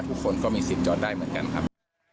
ทุกคนก็มีสิทธิ์จอดได้เหมือนกันครับ